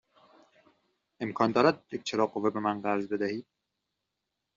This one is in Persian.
امکان دارد یک چراغ قوه به من قرض بدهید؟